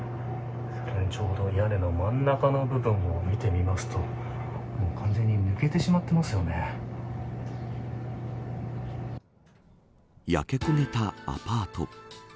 ちょうど屋根の真ん中の部分を見てみると焼け焦げたアパート。